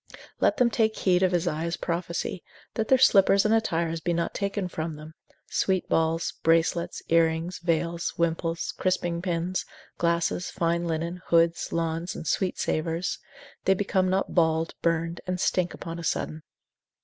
Let them take heed of Isaiah's prophecy, that their slippers and attires be not taken from them, sweet balls, bracelets, earrings, veils, wimples, crisping pins, glasses, fine linen, hoods, lawns, and sweet savours, they become not bald, burned, and stink upon a sudden.